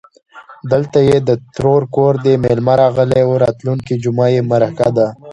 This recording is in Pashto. _دلته يې د ترور کور دی، مېلمه راغلی و. راتلونکې جومه يې مرکه ده.